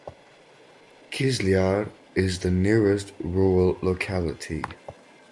Kizlyar is the nearest rural locality.